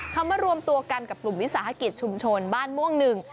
เขามารวมตัวกันกับกลุ่มวิสาหกิจชุมชนบ้านม่วงหนึ่ง